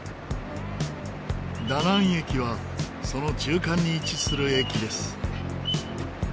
ダナン駅はその中間に位置する駅です。